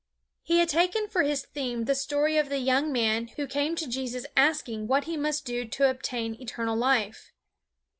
He had taken for his theme the story of the young man who came to Jesus asking what he must do to obtain eternal life.